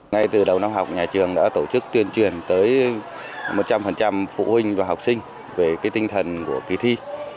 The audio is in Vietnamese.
ngay từ đầu năm học nhà trường đã tổ chức tuyên truyền tới một trăm linh phụ huynh và học sinh về tinh thần của kỳ thi